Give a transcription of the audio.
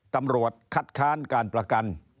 ตำรวจคัดค้านการประกัน